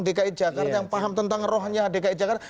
dki jakarta yang paham tentang rohnya dki jakarta